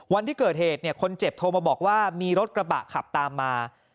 วันที่เกิดเหตุคนเจ็บโทรมาบอกว่ามีรถกระบะขับตามมา